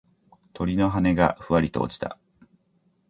鳥の羽がふわりと落ちた。